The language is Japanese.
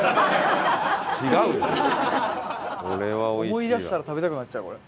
思い出したら食べたくなっちゃうこれ。